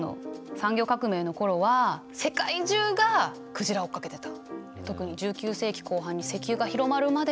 産業革命の頃は世界中が鯨を追っかけてたの。